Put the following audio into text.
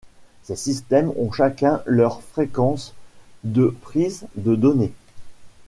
Ces systèmes ont chacun leur fréquence de prise de donnée.